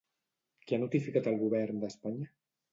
Què ha notificat el govern d'Espanya?